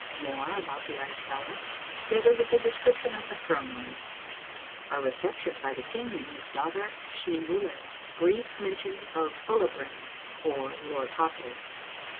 — MORE ABOUT THE ICE PALACE, TOGETHER WITH A DESCRIPTION OF THE THONE ROOM. — OUR RECEPTION BY THE KING AND HIS DAUGHTER SCHNEEBOULE. — BRIEF MENTION OF BULLIBRAIN, OR LORD HOT HEAD.